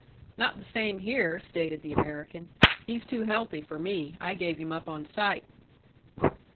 "Not the same here," stated the American. "He's too healthy for me. I gave him up on sight."